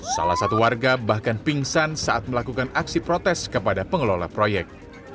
salah satu warga bahkan pingsan saat melakukan aksi protes kepada pengelola proyek